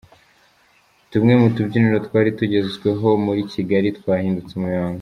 Tumwe mu tubyiniro twari tugenzweho muri Kigali twahindutse umuyonga